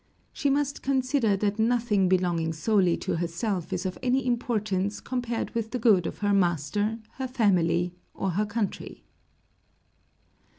She must consider that nothing belonging solely to herself is of any importance compared with the good of her master, her family, or her country.